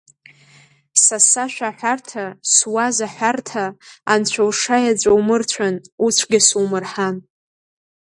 Са сашәа аҳәарҭа, суаз аҳәарҭа, анцәа ушаеҵәа умырцәан, уцәгьа сумырҳан.